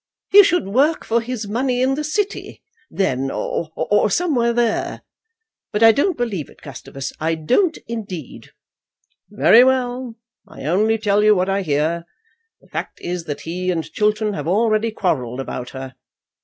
"He should work for his money in the city, then, or somewhere there. But I don't believe it, Gustavus; I don't, indeed." "Very well. I only tell you what I hear. The fact is that he and Chiltern have already quarrelled about her.